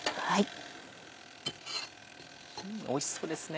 おいしそうですね。